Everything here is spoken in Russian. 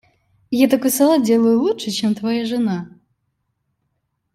Я такой салат делаю лучше, чем твоя жена.